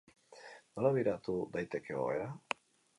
Nola bideratu daiteke egoera?